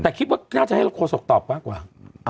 แต่คิดว่าน่าจะให้โฆษกตอบมากกว่า